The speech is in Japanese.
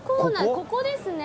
ここですね。